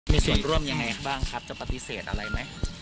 มีส่วนร่วมยังไงบ้างครับจะปฏิเสธอะไรไหม